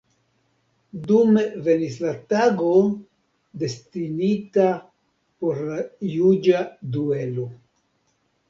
Dume venis la tago, destinita por la juĝa duelo.